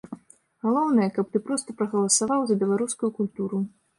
Галоўнае, каб ты проста прагаласаваў за беларускую культуру.